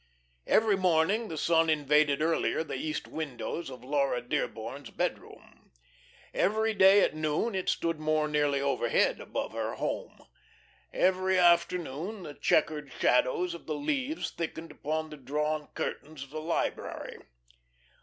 Every morning the sun invaded earlier the east windows of Laura Dearborn's bedroom. Every day at noon it stood more nearly overhead above her home. Every afternoon the checkered shadows of the leaves thickened upon the drawn curtains of the library.